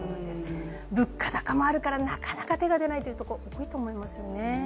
物価高もあるからなかなか手が出ないというところ、大きいと思いますよね。